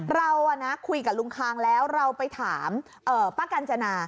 เราคุยกับลุงคางแล้วเราไปถามป้ากัญจนา